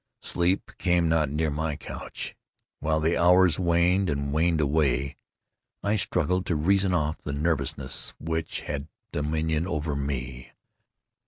Sleep came not near my couch—while the hours waned and waned away. I struggled to reason off the nervousness which had dominion over me.